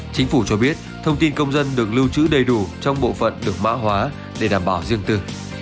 chính phủ cho biết thông tin công dân được lưu trữ đầy đủ trong bộ phận được mã hóa để đảm bảo riêng tư